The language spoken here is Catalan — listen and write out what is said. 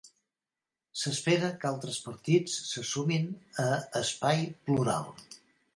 S'espera que altres partits se sumin a Espai Plural.